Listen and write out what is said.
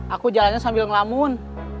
aku jalannya sambil ngelamun